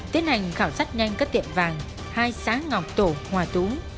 tiến hành khảo sát nhanh các tiệm vàng hai xã ngọc tổ hòa tú